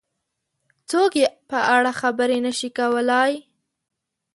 څوک یې په اړه خبرې نه شي کولای.